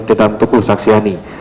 di dalam tubuh saksi hani